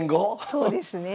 そうですね。